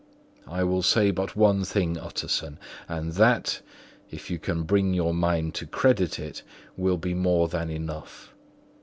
I will say but one thing, Utterson, and that (if you can bring your mind to credit it) will be more than enough.